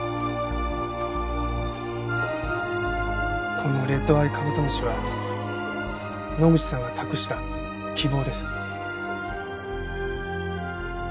このレッドアイカブトムシは野口さんが託した希望です。